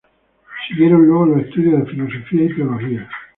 Siguieron luego los estudios de filosofía y teología.